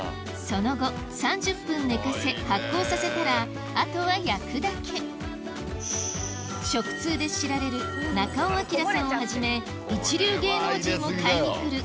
その後３０分寝かせ発酵させたらあとは焼くだけ食通で知られる中尾彬さんをはじめ一流芸能人も買いに来る